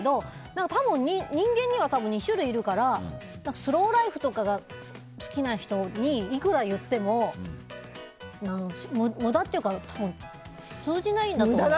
でも、多分、人間には２種類いるからスローライフが好きな人にいくら言っても無駄っていうか多分、通じないんだと思う。